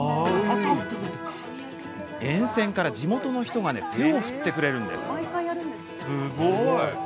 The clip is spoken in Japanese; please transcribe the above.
沿線から地元の人が手を振ってくれるんです。